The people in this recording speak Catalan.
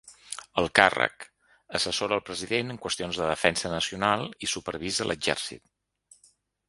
El càrrec: assessora el president en qüestions de defensa nacional i supervisa l’exèrcit.